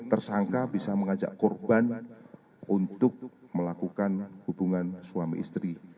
tersangka bisa mengajak korban untuk melakukan hubungan suami istri